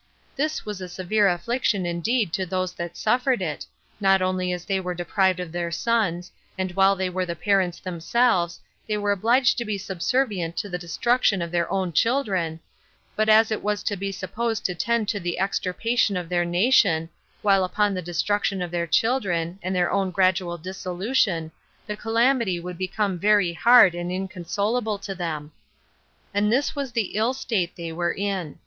This was a severe affliction indeed to those that suffered it, not only as they were deprived of their sons, and while they were the parents themselves, they were obliged to be subservient to the destruction of their own children, but as it was to be supposed to tend to the extirpation of their nation, while upon the destruction of their children, and their own gradual dissolution, the calamity would become very hard and inconsolable to them. And this was the ill state they were in.